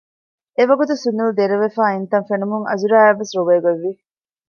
އެވަގުތު ސުނިލް ދެރަވެފައި އިންތަން ފެނުމުން އަޒުރާއަށްވެސް ރޮވޭގޮތްވި